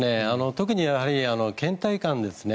特に、けん怠感ですね。